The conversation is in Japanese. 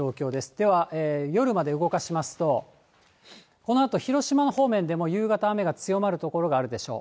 では夜まで動かしますと、このあと広島方面でも夕方雨が強まる所があるでしょう。